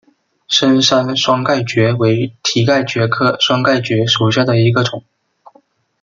深山双盖蕨为蹄盖蕨科双盖蕨属下的一个种。